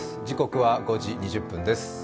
時刻は５時２０分です。